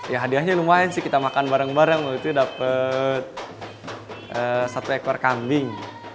ya hadiahnya lumayan sih kita makan bareng bareng waktu itu dapat satu ekor kambing